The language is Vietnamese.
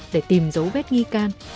để tìm dấu vết nghi can